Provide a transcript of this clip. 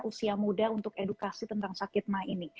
usia muda untuk edukasi tentang sakit mah ini